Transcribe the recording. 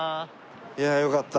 いやよかった。